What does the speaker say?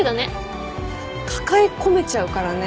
抱え込めちゃうからね。